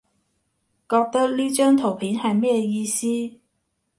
覺得呢張圖片係咩意思？